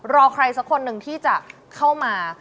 รอใครสักคนหนึ่งที่จะเข้ามา